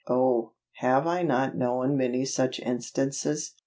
Oh, have I not known many such instances.